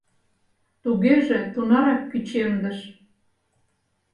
Тугеже тунарак кӱчемдыш